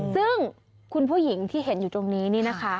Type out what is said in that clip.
ซึ่งคุณผู้หญิงที่เห็นอยู่ตรงนี้นี่นะคะ